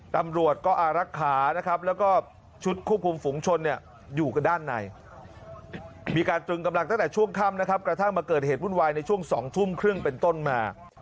ตำรวจก็อารักษานะครับแล้วก็ชุดควบคุมฝุงชนเนี่ยอยู่กันด้านในมีการตรึงกำลังตั้งแต่ช่วงค่ำนะครับกระทั่งมาเกิดเหตุวุ่นวายในช่วง๒ทุ่มครึ่งเป็นต้นมา